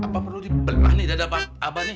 apa perlu dibelah nih dada abah nih